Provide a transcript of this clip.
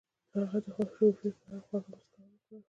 هغې د خوښ شګوفه په اړه خوږه موسکا هم وکړه.